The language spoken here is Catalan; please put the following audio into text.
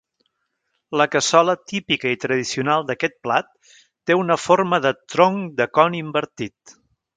La cassola típica i tradicional d'aquest plat té una forma de tronc de con invertit.